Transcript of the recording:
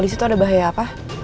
di situ ada bahaya apa